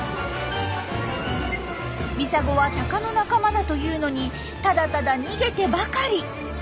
ミサゴはタカの仲間だというのにただただ逃げてばかり。